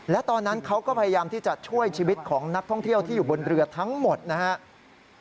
และตอนนั้นเขาก็พยายามที่จะช่วยชีวิตของนักท่องเที่ยวที่อยู่บนเรือทั้งหมดนะครับ